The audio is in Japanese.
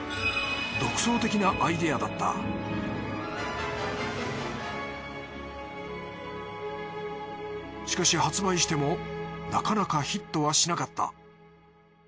独創的なアイデアだったしかし発売してもなかなかヒットはしなかった。